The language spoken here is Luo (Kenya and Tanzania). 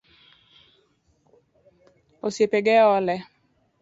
Osiepe ge ole